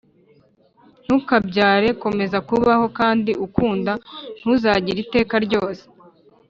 “ntukabyare. komeza kubaho kandi ukunda. ntuzagira iteka ryose.